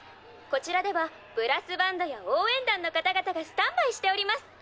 こちらではブラスバンドやおうえん団の方々がスタンバイしております。